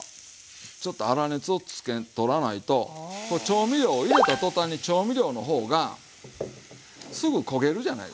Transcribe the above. ちょっと粗熱を取らないと調味料を入れた途端に調味料の方がすぐ焦げるじゃないですか。